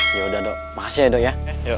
yaudah dok makasih ya dok ya